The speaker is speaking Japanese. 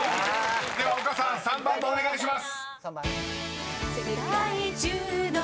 ［では丘さん３番もお願いします］